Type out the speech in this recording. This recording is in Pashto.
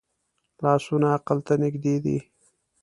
لاسونه عقل ته نږدې دي